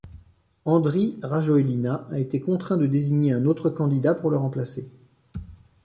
Andry Rajoelina a été contraint de désigner un autre candidat pour le remplacer.